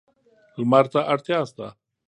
لمر ته اړتیا شته.